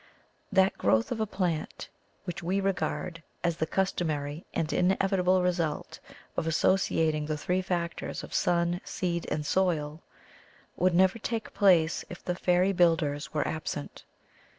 That growth of a plant which we regard as the customary and inevitable result of associating the three factors of sun, seed, and soil would never take place if the fairy builders were absent.